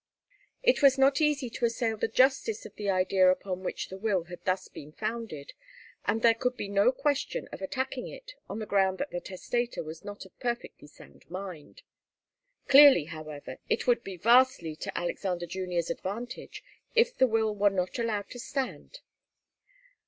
It was not easy to assail the justice of the idea upon which the will had thus been founded, and there could be no question of attacking it on the ground that the testator was not of perfectly sound mind. Clearly, however, it would be vastly to Alexander Junior's advantage if the will were not allowed to stand.